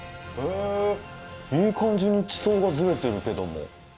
いい感じに地層がずれているけども。